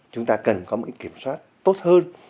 chúng ta cần có một kiểm soát tốt hơn